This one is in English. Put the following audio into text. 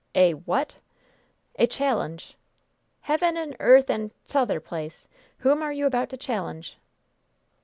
"A what?" "A challenge!" "Heaven, earth and t'other place! Whom are you about to challenge?"